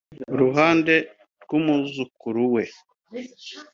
Iruhande rw’umwuzukuru we